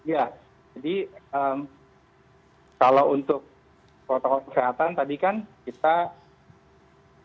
ya jadi kalau untuk protokol kesehatan tadi kan kita